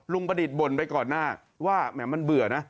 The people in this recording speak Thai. ประดิษฐ์บ่นไปก่อนหน้าว่าแหมมันเบื่อนะ